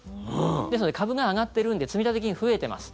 ですので、株が上がってるんで積立金増えてます。